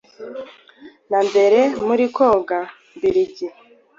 na mbere muri Kongo mbiligi.